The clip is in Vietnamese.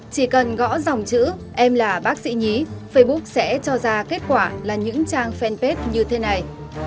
chỉ cần gõ dòng chữ em là bác sĩ nhí facebook sẽ cho ra kết quả là những trang fanpage như thế này